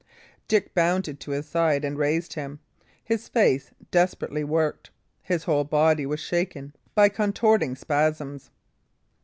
Dick bounded to his side and raised him. His face desperately worked; his whole body was shaken by contorting spasms.